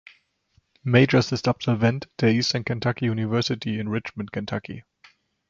Majors ist Absolvent der Eastern Kentucky University in Richmond, Kentucky.